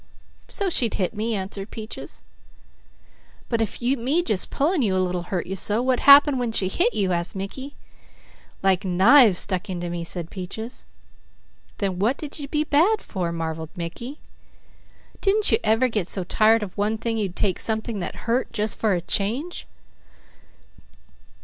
"So's she'd hit me," answered Peaches. "But if me just pulling a little hurt you so, what happened when she hit you?" asked Mickey. "Like knives stuck into me," said Peaches. "Then what did you be bad for?" marvelled Mickey. "Didn't you ever get so tired of one thing you'd take something that hurt, jus' for a change?"